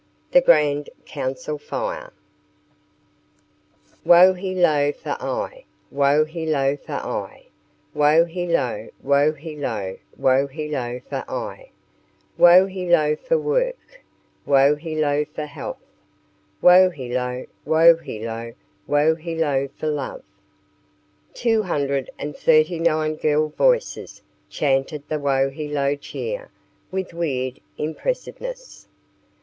THE GRAND COUNCIL FIRE. "Wo he lo for aye, Wo he lo for aye, Wo he lo, Wo he lo, Wo he lo for aye! Wo he lo for work, Wo he lo for health, Wo he lo, Wo he lo, Wo he lo for love." Two hundred and thirty nine girl voices chanted the Wo he lo Cheer with weird impressiveness.